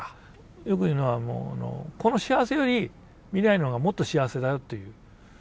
よく言うのはこの幸せより未来の方がもっと幸せだよという。